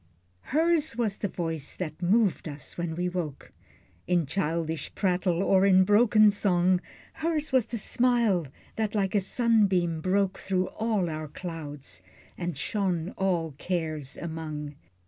Hers was the voice that moved us when we woke, In childish prattle, or in broken song, Hers was the smile, that like a sunbeam broke Through all our clouds, and shone all cares among.